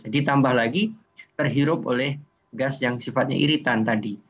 ditambah lagi terhirup oleh gas yang sifatnya iritan tadi